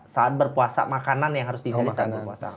saat berpuasa makanan yang harus tinggal di saat berpuasa